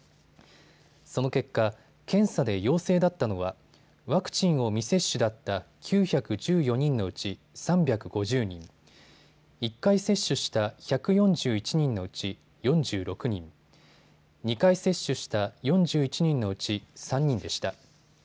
その結果、検査で陽性だったのはワクチンを未接種だった９１４人のうち３５０人、１回接種した１４１人のうち４６人、２回接種した４１人のうち３人でした。